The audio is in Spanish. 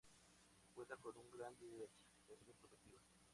Cuenta con una gran diversificación productiva.